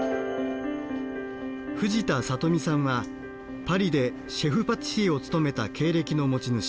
藤田怜美さんはパリでシェフパティシエを務めた経歴の持ち主。